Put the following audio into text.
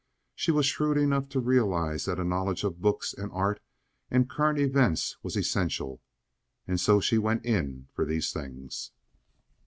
She was shrewd enough to realize that a knowledge of books and art and current events was essential, and so she "went in" for these things.